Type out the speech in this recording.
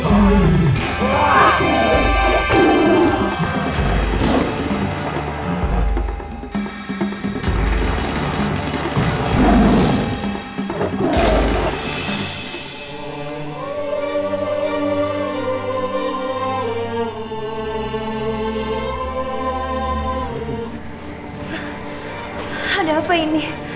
ada apa ini